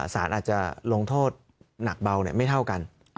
สารอาจจะลงโทษหนักเบาไม่เท่ากัน